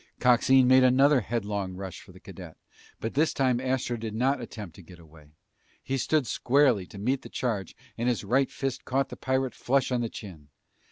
Coxine made another headlong rush for the cadet, but this time Astro did not attempt to get away. He stood squarely to meet the charge and his right fist caught the pirate flush on the chin.